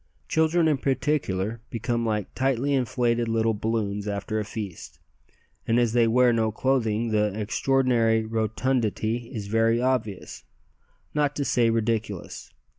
Children in particular become like tightly inflated little balloons after a feast, and as they wear no clothing, the extraordinary rotundity is very obvious, not to say ridiculous.